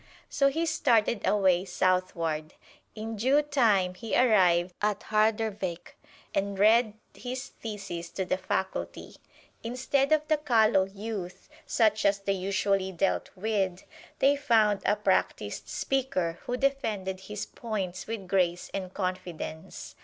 So he started away southward. In due time, he arrived at Harderwijk and read his thesis to the faculty. Instead of the callow youth, such as they usually dealt with, they found a practised speaker who defended his points with grace and confidence.